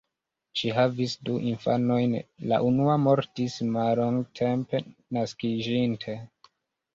Ŝi havis du infanojn, la unua mortis mallongtempe naskiĝinte.